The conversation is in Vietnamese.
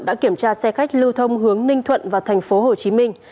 đã kiểm tra xe khách lưu thông hướng ninh thuận và thành phố hồ chí minh